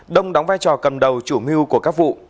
đông đóng vai trò cầm đầu chủ mưu của các vụ